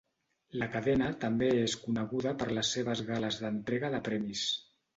La cadena també és coneguda per les seves gales d'entrega de premis.